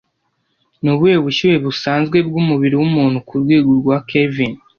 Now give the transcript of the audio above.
Nubuhe bushyuhe busanzwe bwumubiri wumuntu kurwego rwa kelvin